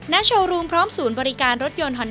วันนี้ขอบคุณพี่อมนต์มากเลยนะครับ